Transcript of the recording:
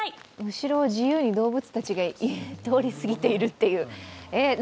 後ろを自由に動物たちが通り過ぎてるっていう。